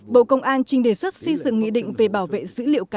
bộ công an trình đề xuất xây dựng nghị định về bảo vệ dữ liệu cá nhân